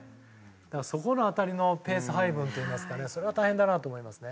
そこの辺りのペース配分といいますかねそれは大変だなと思いますね。